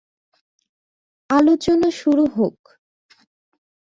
আলোচনা শুরু হোক।